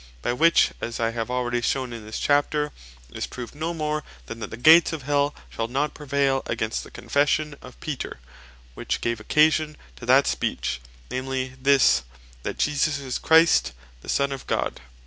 By which (as I have already shewn in this chapter) is proved no more, than that the gates of Hell shall not prevail against the confession of Peter, which gave occasion to that speech; namely this, That Jesus Is Christ The Sonne Of God.